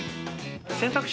選択肢